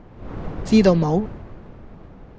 知道冇?